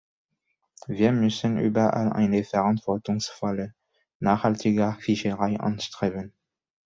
Wir müssen überall eine verantwortungsvolle, nachhaltiger Fischerei anstreben.